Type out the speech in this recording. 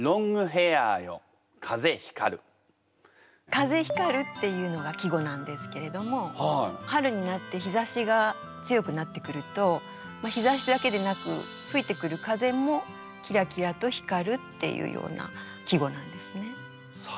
「風光る」っていうのが季語なんですけれども春になって日ざしが強くなってくると日ざしだけでなく吹いてくる風もキラキラと光るっていうような季語なんですね。